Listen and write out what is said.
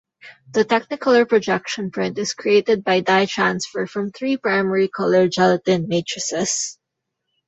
The Technicolor projection print is created by dye transfer from three primary-color gelatin matrices.